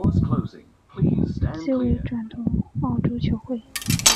季尾转投澳洲球会。